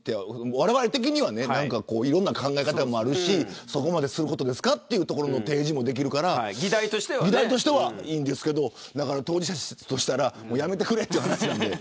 われわれ的にはいろんな考え方もあるしそこまですることですかって提示もできるから議題としてはいいんですけれど当事者としたらやめてくれという話なので